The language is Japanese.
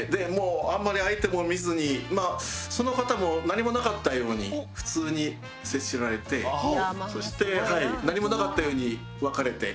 あんまり相手も見ずにその方も何もなかったように普通に接しられてそして何もなかったように別れて店を出て別れましたね。